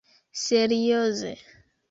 serioze